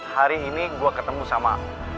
hari ini gue ketemu sama